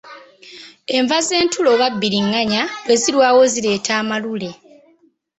Enva z’entula oba bbiriŋŋanya bwe zirwawo zireeta Malule.